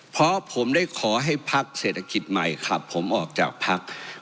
เพราะผมได้ขอให้พักเศรษฐกิจใหม่ขับผมออกจากพัก